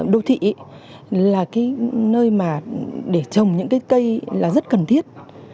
đô thị là cái nơi mà để trồng những cái cây là rất cần thiết